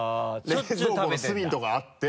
冷蔵庫のすみのとこにあって。